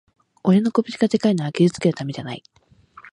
俺の拳がでかいのは傷つけるためじゃない